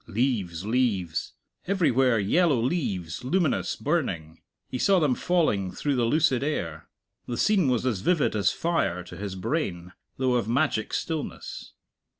Leaves, leaves; everywhere yellow leaves, luminous, burning. He saw them falling through the lucid air. The scene was as vivid as fire to his brain, though of magic stillness.